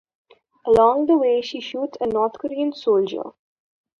Along the way, she shoots a North Korean soldier.